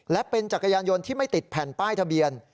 และเป็นจักรยานยนต์ที่ไม่ติดแผ่นป้ายทะเบียน